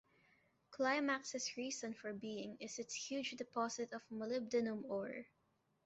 Climax's reason for being is its huge deposit of molybdenum ore.